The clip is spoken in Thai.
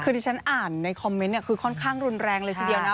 คือที่ฉันอ่านในคอมเมนต์เนี่ยคือค่อนข้างรุนแรงเลยทีเดียวนะ